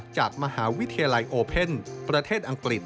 จากมหาวิทยาลัยโอเพ่นประเทศอังกฤษ